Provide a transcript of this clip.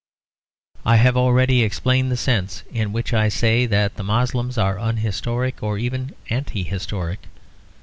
I have already explained the sense in which I say that the Moslems are unhistoric or even anti historic.